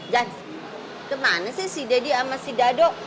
jan kemana sih si daddy sama si dado